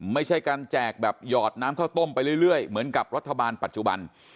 ไม่ใช่การแจกแบบหยอดน้ำข้าวต้มไปเรื่อยเหมือนกับรัฐบาลปัจจุบัน